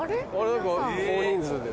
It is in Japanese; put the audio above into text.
何か大人数で。